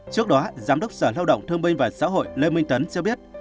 trước đó giám đốc sở lao động thương binh và xã hội lê minh tấn cho biết